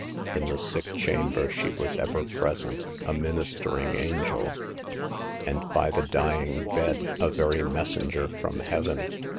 In the sick chamber she was ever pres ent, a ministering angel, and by the dying bed a very messenger from heaven.